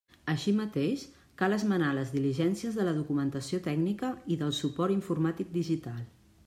Així mateix, cal esmenar les diligències de la documentació tècnica i del suport informàtic digital.